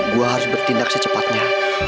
gue harus bertindak secepatnya